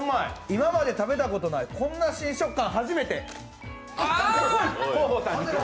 今まで食べたことないこんな新食感初めて！